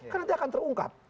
karena dia akan terungkap